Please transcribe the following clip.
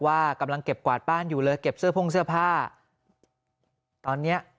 ว่ากำลังเก็บกวาดบ้านอยู่เลยเก็บเสื้อพ่งเสื้อผ้าตอนเนี้ย